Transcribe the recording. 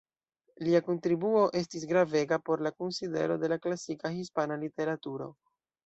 Lia kontribuo estis gravega por la konsidero de la klasika hispana literaturo.